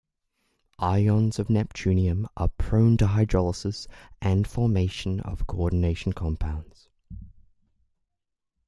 Ions of neptunium are prone to hydrolysis and formation of coordination compounds.